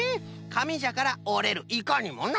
かみじゃからおれるいかにもな。